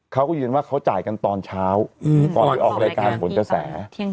เขาก็ยืนว่าเขาจ่ายกันตอนเช้าก่อนไปออกรายการผลกระแส